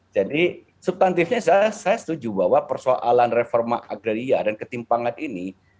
jadi substantifnya saya setuju bahwa persoalan reforma agraria dan ketimpangan ini